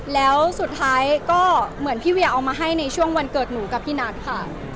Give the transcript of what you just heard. แล้วสุดท้ายก็เหมือนพี่เวียเอามาให้ในช่วงวันเกิดหนูกับพี่นัทค่ะ